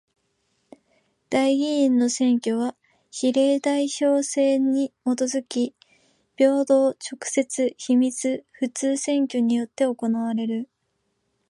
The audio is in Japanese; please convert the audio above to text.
代議員の選挙は比例代表制にもとづき平等、直接、秘密、普通選挙によって行われる。